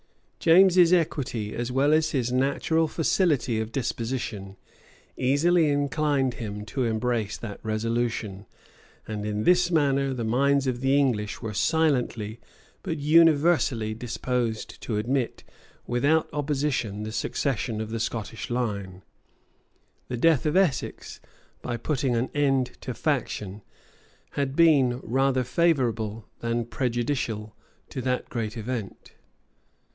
James's equity, as well as his natural facility of disposition, easily inclined him to embrace that resolution;[] and in this manner the minds of the English were silently but universally disposed to admit, without opposition, the succession of the Scottish line: the death of Essex, by putting an end to faction, had been rather favorable than prejudicial to that great event.